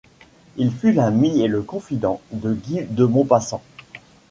Il fut l'ami et le confident de Guy de Maupassant.